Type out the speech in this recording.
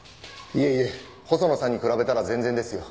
いえいえ細野さんに比べたら全然ですよ。